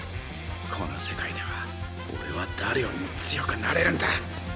この世界ではおれはだれよりも強くなれるんだ。